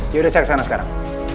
yaudah saya kesana sekarang